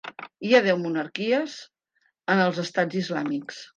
Hi ha deu monarquies en els estats islàmics.